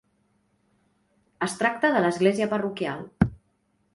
Es tracta de l'església parroquial.